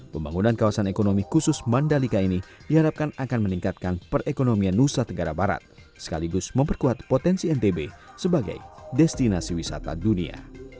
pembangunan kawasan ekonomi khusus mandalika ini diharapkan akan meningkatkan perekonomian nusa tenggara barat sekaligus memperkuat potensi ntb sebagai destinasi wisata dunia